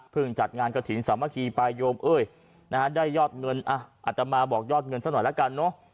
พึ่งจัดงานกระถิ่นสามะคีปายโยมเอ้ยนะฮะได้ยอดเงินอ่ะอาจจะมาบอกยอดเงินซะหน่อยละกันเนาะ